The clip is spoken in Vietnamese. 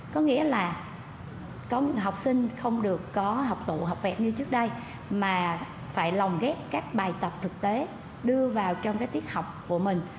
có nghĩa là học sinh không được có học tụ học vẹn như trước đây mà phải lòng ghép các bài tập thực tế đưa vào trong tiết học của mình